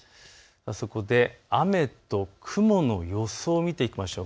そこで雨と雲の予想を見ていきましょう。